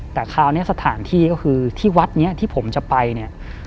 แต่คราวนี้สถานที่ก็คือที่วัดนี้ที่ผมจะไปเนี่ย